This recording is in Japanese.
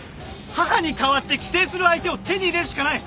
母に代わって寄生する相手を手に入れるしかない。